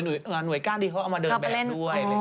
หน่วยก้านที่เขาเอามาเดินแบบด้วย